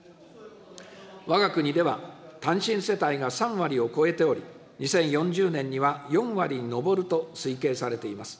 わが国では単身世帯が３割を超えており、２０４０年には４割に上ると推計されています。